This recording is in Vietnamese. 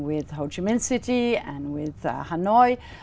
được dựa trên nhiều nước trên thế giới